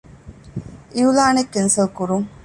އިޢުލާނެއް ކެންސަލް ކުރުން